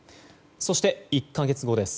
そして、１か月後。